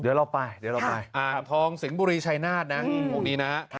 เดี๋ยวเราไป